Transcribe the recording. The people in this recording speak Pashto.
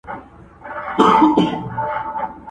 ورک له نورو ورک له ځانه٫